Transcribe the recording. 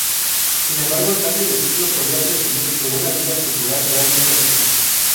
Sin embargo el cambio de siglo podía presumir de una vida cultural realmente rica.